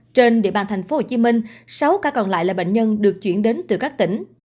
trên địa bàn tp hcm sáu ca còn lại là bệnh nhân được chuyển đến từ các tỉnh